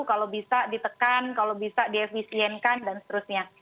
kalau bisa ditekan kalau bisa diefisienkan dan seterusnya